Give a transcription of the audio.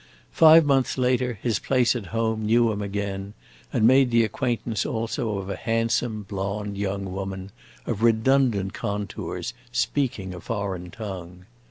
Five months later his place at home knew him again, and made the acquaintance also of a handsome, blonde young woman, of redundant contours, speaking a foreign tongue.